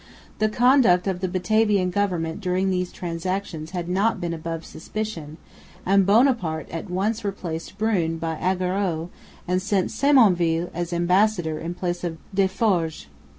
The conduct of the Batavian government during these transactions had not been above suspicion; and Bonaparte at once replaced Brune by Augereau, and sent Sémonville as ambassador in place of Deforgues.